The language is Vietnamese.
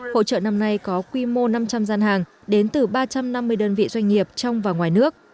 hội trợ năm nay có quy mô năm trăm linh gian hàng đến từ ba trăm năm mươi đơn vị doanh nghiệp trong và ngoài nước